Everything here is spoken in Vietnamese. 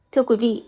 thưa quý vị